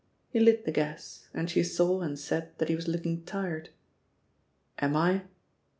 He lit the gas, and she saw and said that he was looking tired. "Am I?"